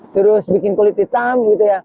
terus bikin kulit hitam